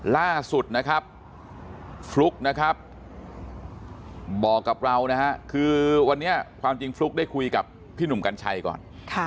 ล่าสุดนะครับฟลุ๊กนะครับบอกกับเรานะฮะคือวันนี้ความจริงฟลุ๊กได้คุยกับพี่หนุ่มกัญชัยก่อน